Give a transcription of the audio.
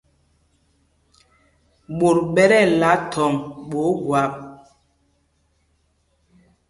Ɓot ɓɛ tí ɛla thɔŋ ɓɛ Ogwap.